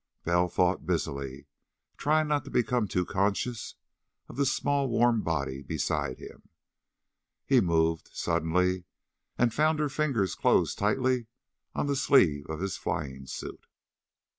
Bell thought busily, trying not to become too conscious of the small warm body beside him. He moved, suddenly, and found her fingers closed tightly on the sleeve of his flying suit.